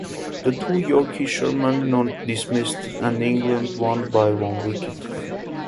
The two Yorkshiremen were not dismissed and England won by one wicket.